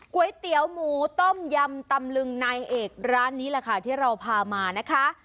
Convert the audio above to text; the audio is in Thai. ก๋วยเตี๋ยวหมูต้มยำตำลึงนายเอกร้านนี้แหละค่ะที่เราพามานะคะ